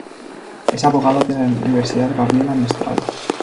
Es abogada de la Universidad Gabriela Mistral.